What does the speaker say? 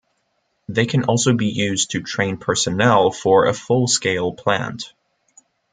They can also be used to train personnel for a full-scale plant.